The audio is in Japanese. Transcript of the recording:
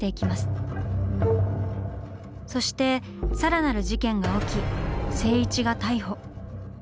そしてさらなる事件が起き静一が逮捕。